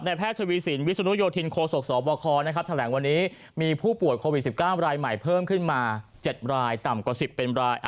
แพทย์ทวีสินวิศนุโยธินโคศกสบคแถลงวันนี้มีผู้ป่วยโควิด๑๙รายใหม่เพิ่มขึ้นมา๗รายต่ำกว่า๑๐เป็นราย